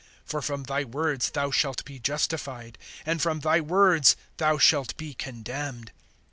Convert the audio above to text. (37)For from thy words thou shalt be justified, and from thy words thou shalt be condemned.